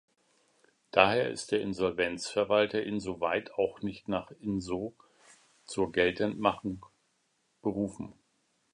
Daher ist der Insolvenzverwalter insoweit auch nicht nach InsO zur Geltendmachung berufen.